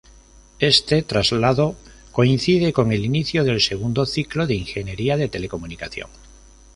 Este traslado coincide con el inicio del segundo ciclo de ingeniería de telecomunicación.